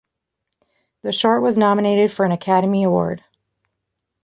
The short was nominated for an Academy Award.